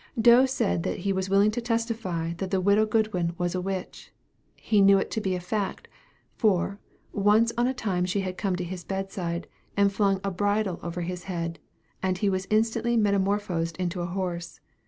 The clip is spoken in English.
Doe said that he was willing to testify that the widow Goodwin was a witch he knew it to be a fact; for, once on a time she came to his bed side, and flung a bridle over his head, and he was instantly metamorphosed into a horse.